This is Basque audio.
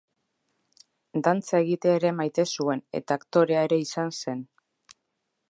Dantza egitea ere maite zuen eta aktorea ere izan zen.